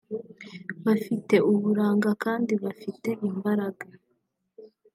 bafite uburanga kandi bafite imbaraga